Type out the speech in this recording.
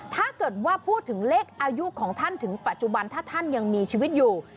ถ้าเกิดว่าพูดถึงเลขอายุของท่านถึงปัจจุบันถ้าท่านยังมีชีวิตอยู่